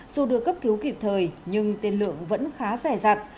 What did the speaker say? dù được cấp cứu kịp thời nhưng tiên lượng vẫn khá rẻ rặt